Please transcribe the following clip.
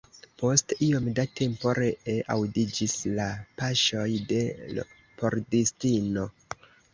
Post iom da tempo ree aŭdiĝis la paŝoj de l' pordistino.